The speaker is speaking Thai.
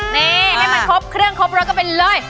นี่ให้มันครบเครื่องครบรสกันไปเลย